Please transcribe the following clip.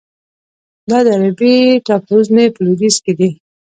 دا د عربي ټاپوزمې په لویدیځ کې دی.